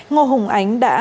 ngô hồng ánh đã